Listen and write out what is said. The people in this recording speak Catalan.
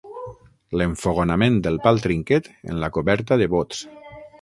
L'enfogonament del pal trinquet en la coberta de bots.